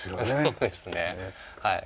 そうですねはい。